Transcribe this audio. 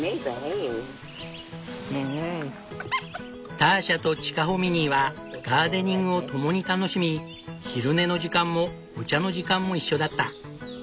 ターシャとチカホミニーはガーデニングを共に楽しみ昼寝の時間もお茶の時間も一緒だった。